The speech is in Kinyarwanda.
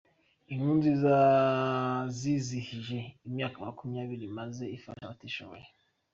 Inkuru Nziza yizihije imyaka makumyabiri imaze ifasha abatishiboye